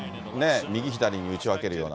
右左に打ち分けるような。